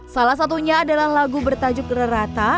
salah satunya adalah lagu bertajuk rerata